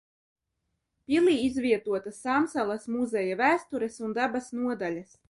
Pilī izvietotas Sāmsalas muzeja vēstures un dabas nodaļas.